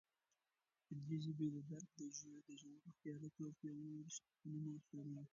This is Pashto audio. ددي ژبي ددرک دژورو خیالاتو او پیاوړو شننو او سپړنو